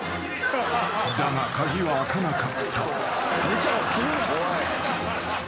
［だが鍵は開かなかった］